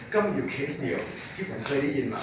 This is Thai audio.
ก็มีอยู่เคสเดียวที่ผมเคยได้ยินมา